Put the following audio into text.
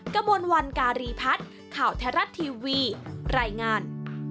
กระมวลวันการีพัฒน์ข่าวไทยรัฐทีวีรายงาน